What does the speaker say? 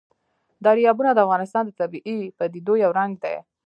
دریابونه د افغانستان د طبیعي پدیدو یو رنګ دی.